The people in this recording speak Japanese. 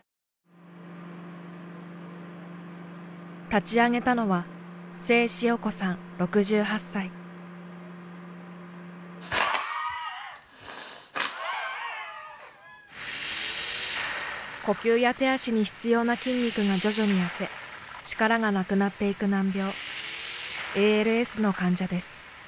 立ち上げたのは呼吸や手足に必要な筋肉が徐々に痩せ力がなくなっていく難病ＡＬＳの患者です。